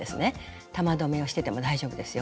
玉留めをしてても大丈夫ですよ。